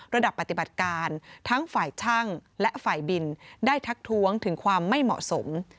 ระดับปฏิบัติการทั้งฝ่ายช่างและฝ่ายบินได้ทักท้วงถึงความไม่เหมาะสม